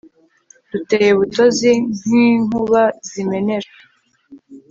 duteye butozi ,nk,inkubazimenera